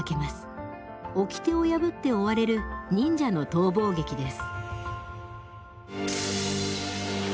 おきてを破って追われる忍者の逃亡劇です。